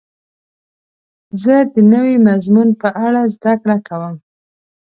زه د نوي مضمون په اړه زده کړه کوم.